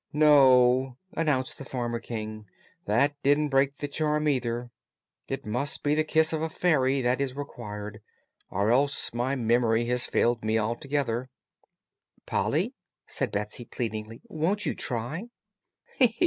"No," announced the former King; "that didn't break the charm, either. It must be the kiss of a Fairy that is required or else my memory has failed me altogether." "Polly," said Betsy, pleadingly, "won't you try?"